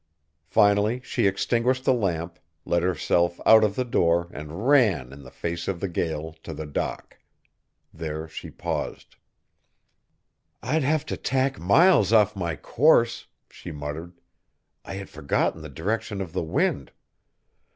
Finally she extinguished the lamp, let herself out of the door, and ran, in the face of the gale, to the dock. There she paused. "I'd have to tack miles off my course," she muttered, "I had forgotten the direction of the wind."